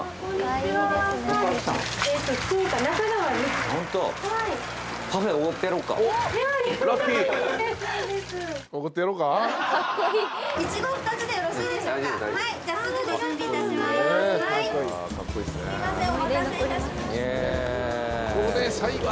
ありがとうございます。